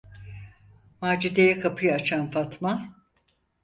Macide’ye kapıyı açan Fatma: